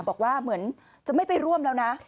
บอกว่าเหมือนจะไม่ไปร่วมแล้วนะ